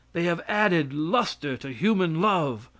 They have added luster to human love.